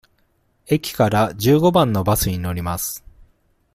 駅から十五番のバスに乗ります。